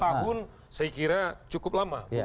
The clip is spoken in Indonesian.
jadi tiga tahun saya kira cukup lama